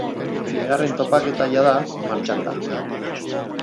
Bigarren topaketa jada, martxan da.